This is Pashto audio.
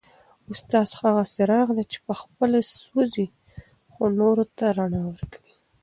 استاد هغه څراغ دی چي خپله سوځي خو نورو ته رڼا ورکوي.